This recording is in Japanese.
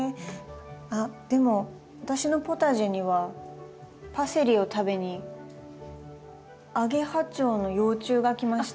あっでも私のポタジェにはパセリを食べにアゲハチョウの幼虫が来ました。